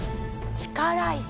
力石。